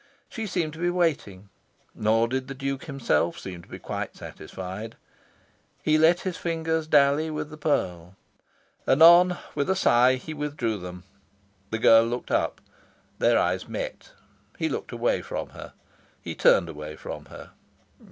She seemed to be waiting. Nor did the Duke himself seem to be quite satisfied. He let his fingers dally with the pearl. Anon, with a sigh, he withdrew them. The girl looked up. Their eyes met. He looked away from her. He turned away from her.